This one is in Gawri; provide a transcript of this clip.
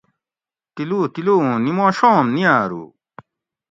تِلو تِلو اُوں نیموشوم نیاۤر ہُو